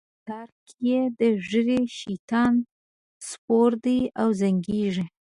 په هر تار کی یې د ږیری؛ شیطان سپور دی او زنګیږی